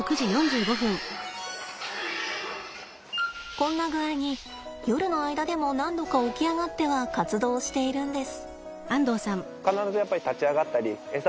こんな具合に夜の間でも何度か起き上がっては活動しているんです。